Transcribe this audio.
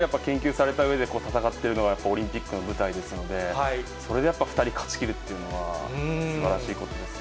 もうすべてやっぱり研究されたうえで、戦っているのがオリンピックの舞台ですので、それでやっぱ２人勝ち切るっていうのは、すばらしいことですね。